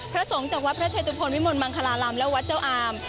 พระสงฆ์จากวัดพระเชตุพลวิมลมังคลาลำและวัดเจ้าอาม